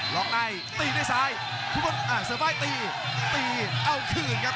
ล๊อคไนท์ตีด้วยซ้ายคุณพลน้อยอ่าเสือฝ่ายตีตีเอาคืนครับ